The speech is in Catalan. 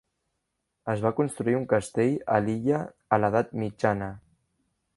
Es va construir un castell a l"illa a l"Edat Mitjana.